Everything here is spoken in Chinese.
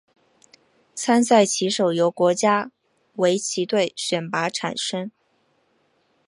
参赛棋手由国家围棋队选拔产生。